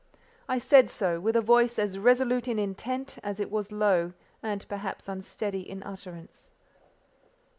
I said so, with a voice as resolute in intent, as it was low, and perhaps unsteady in utterance.